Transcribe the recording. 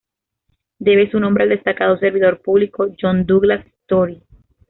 Debe su nombre al destacado servidor público John Douglas Story.